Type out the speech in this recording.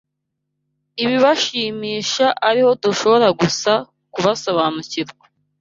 ibibashimisha ari ho dushobora gusa kubasobanukirwa